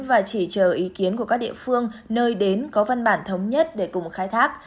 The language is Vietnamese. và chỉ chờ ý kiến của các địa phương nơi đến có văn bản thống nhất để cùng khai thác